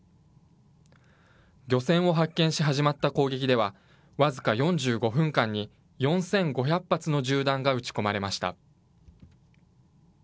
漁船を発見し始まった攻撃では、僅か４５分間に４５００発の銃弾が撃ち込まれました。